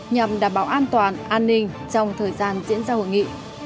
nhằm đảm bảo an toàn an ninh trong thời gian diễn ra hội nghị